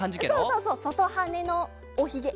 そうそうそうそとはねのおひげ。